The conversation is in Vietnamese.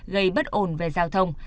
gây bất ổn về giao thông